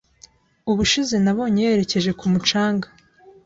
Ubushize nabonye yerekeje ku mucanga.